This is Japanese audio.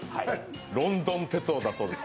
ロンドン哲夫だそうです。